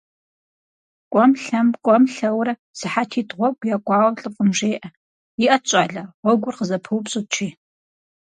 КӀуэм-лъэм, кӀуэм-лъэурэ, сыхьэтитӀ гъуэгу якӀуауэ, лӀыфӀым жеӀэ: - ИӀэт, щӀалэ, гъуэгур къызэпыупщӀыт!- жи.